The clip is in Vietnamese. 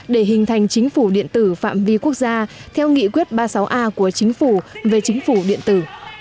để hình thành chính phủ điện tử phạm vi quốc gia theo nghị quyết ba mươi sáu a của chính phủ về chính phủ điện tử